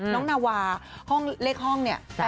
น้องนาวาเลขห้อง๘๐๙